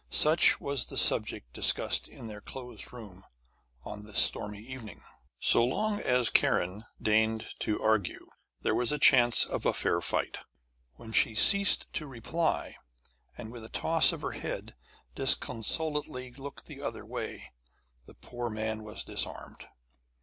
Such was the subject discussed in their closed room on this stormy evening. So long as Kiran deigned to argue, there was a chance of a fair fight. When she ceased to reply, and with a toss of her head disconsolately looked the other way, the poor man was disarmed.